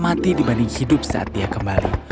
dia tidak bisa mati dibanding hidup saat dia kembali